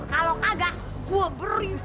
kalau kagak gue beri